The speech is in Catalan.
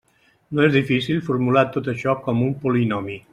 No és difícil formular tot això com un polinomi.